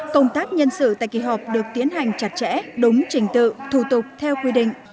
công tác nhân sự tại kỳ họp được tiến hành chặt chẽ đúng trình tự thủ tục theo quy định